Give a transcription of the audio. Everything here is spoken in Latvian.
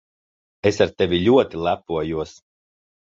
Es ar tevi ļoti lepojos.